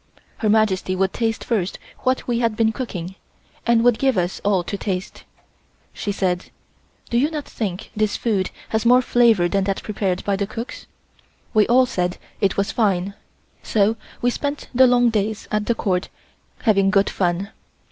Her Majesty would taste first what we had been cooking, and would give us all to taste. She asked: "Do you not think this food has more flavor than that prepared by the cooks?" We all said it was fine. So we spent the long days at the Court having good fun.